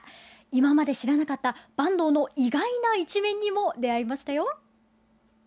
今まで知らなかった坂東の意外な一面にも出会いましたよ。